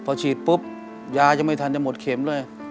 พอฉีดปุ๊บยายังไม่ทันจะหมดเข็มเลย